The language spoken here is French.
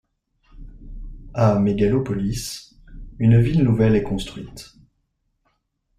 À Megalopolis, une ville nouvelle est construite.